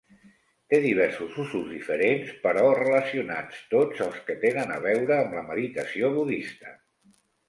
Té diversos usos diferents, però relacionats, tots els que tenen a veure amb la meditació budista.